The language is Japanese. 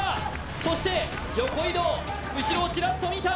そして、横移動、後ろをチラッと見た。